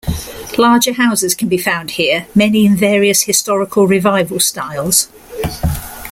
Larger houses can be found here, many in various historical revival styles.